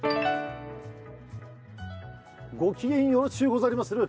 ご機嫌よろしゅうございまする。